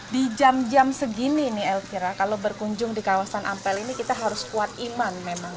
di jam jam segini nih elvira kalau berkunjung di kawasan ampel ini kita harus kuat iman memang